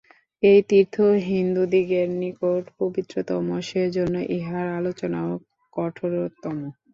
এই তীর্থ হিন্দুদিগের নিকট পবিত্রতম, সেজন্য ইহার সমালোচনাও কঠোরতম।